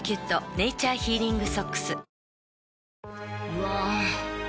うわ。